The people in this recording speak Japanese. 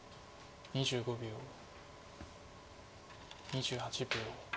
２８秒。